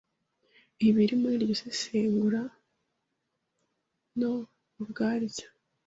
iba iri muri iryo sezerano ubwaryo